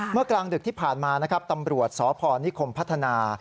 เมื่อกลางดึกที่ผ่านมาตำรวจสพนิคมพัฒนา